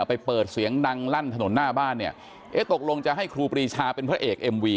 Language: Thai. ไปเปิดเสียงดังลั่นถนนหน้าบ้านเนี่ยเอ๊ะตกลงจะให้ครูปรีชาเป็นพระเอกเอ็มวี